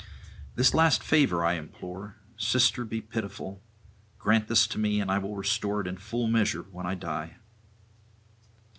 This last favour I implore: sister, be pitiful; grant this to me, and I will restore it in full measure when I die.'